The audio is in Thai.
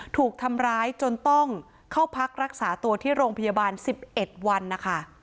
ถูกทำร้ายจนต้องเข้าพักรักษาตัวที่โรงพยาบาล๑๑วันนะคะ